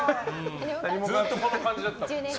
ずっとこの感じだったもん。